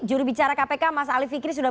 juri bicara kpk mas ali fikri sudah